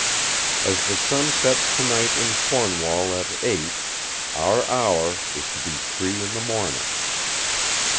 As the sun sets tonight in Cornwall at eight, our hour is to be three in the morning!"